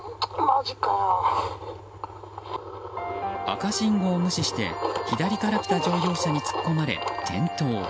赤信号を無視して左から来た乗用車に突っ込まれ、転倒。